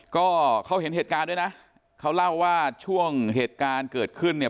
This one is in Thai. ก็เขาเห็นเหตุการณ์ด้วยนะเขาเล่าว่าช่วงเหตุการณ์เกิดขึ้นเนี่ย